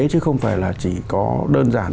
chứ không phải là chỉ có đơn giản